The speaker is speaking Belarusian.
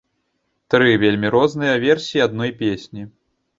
Тры вельмі розныя версіі адной песні.